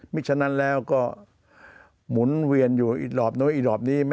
ฉะนั้นแล้วก็หมุนเวียนอยู่อีหลอบน้อยอีหลอบนี้